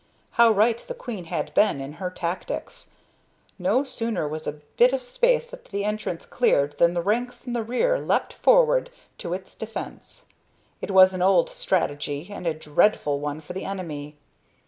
How right the queen had been in her tactics! No sooner was a bit of space at the entrance cleared than the ranks in the rear leapt forward to its defense. It was an old strategy, and a dreadful one for the enemy.